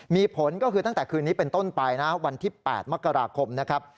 มีผลก็คือตั้งแต่คืนนี้เป็นต้นไปนะวันที่๘มกราคมนะครับ